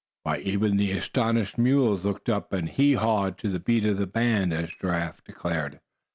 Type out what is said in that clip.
Why, even the astonished mules looked up and "hee hawed to beat the band," as Giraffe declared.